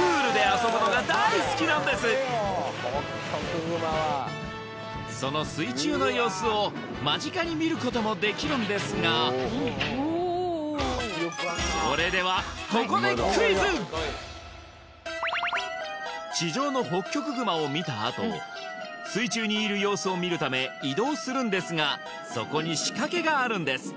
特にその水中の様子を間近に見ることもできるんですがそれではここでクイズ地上のホッキョクグマを見たあと水中にいる様子を見るため移動するんですがそこに仕掛けがあるんです